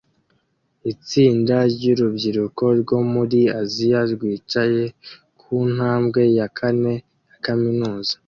Itsinda ryurubyiruko rwo muri Aziya rwicaye ku ntambwe ya kane ya kaminuza